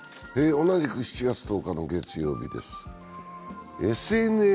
同じく７月１０日の月曜日です